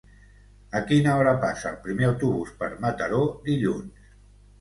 A quina hora passa el primer autobús per Mataró dilluns?